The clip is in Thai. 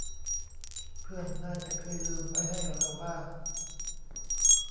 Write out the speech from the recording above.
เพื่อนน่าจะเคยลืมไว้ให้เราบ้าง